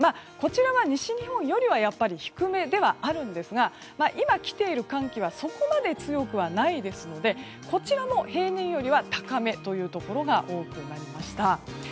こちらは西日本よりはやっぱり低めではあるんですが今、来ている寒気はそこまで強くはないのでこちらも平年よりは高めのところが多くなりました。